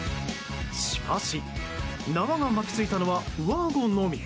しかし、縄が巻き付いたのは上あごのみ。